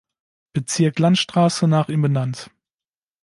Bezirk Landstraße nach ihm benannt.